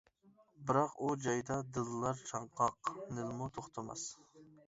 بىراق ئۇ جايدا دىللار چاڭقاق، نىلمۇ توختىماس.